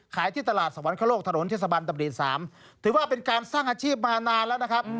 ที่ตลาดสวรรคโลกถนนเทศบันดำรี๓ถือว่าเป็นการสร้างอาชีพมานานแล้วนะครับ